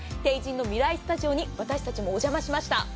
ＴＥＩＪＩＮの未来スタジオに私たちもお邪魔しました。